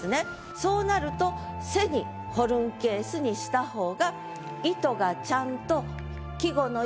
そうなると「背にホルンケース」にした方が意図がちゃんと。